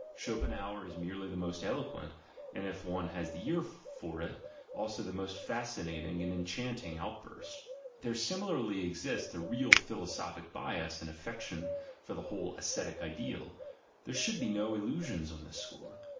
Schopenhauer is merely the most eloquent, and if one has the ear for it, also the most fascinating and enchanting outburst. There similarly exists a real philosophic bias and affection for the whole ascetic ideal; there should be no illusions on this score.